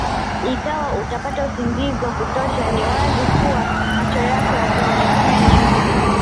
Ikiwa utapata usingizi wa kutosha ni wazi kuwa macho yako yataonekana yenye nuru